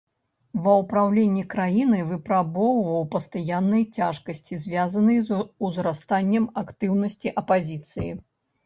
Ва ўпраўленні краінай выпрабоўваў пастаянныя цяжкасці, звязаныя з узрастаннем актыўнасці апазіцыі.